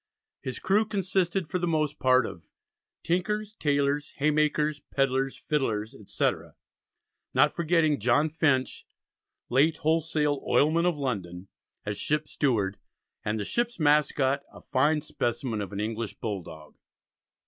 His crew consisted for the most part of "Tinkers, Taylors, Hay makers, Pedlers, Fiddlers, etc.," not forgetting John Finch "late wholesale oilman of London," as ship's steward, and the ship's mascot, a fine specimen of an English bull dog.